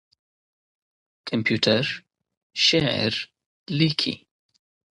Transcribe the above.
کمپيوټر شعر ليکي.